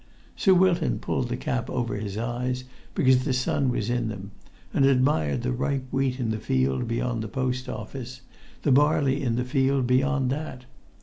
Sir Wilton pulled the cap over his eyes because the sun was in them, and admired the ripe wheat in the field beyond the post office, the barley in the field beyond that.